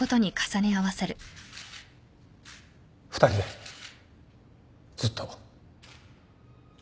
２人でずっと。